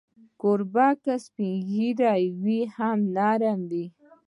کوربه که سپین ږیری وي، هم نرم وي.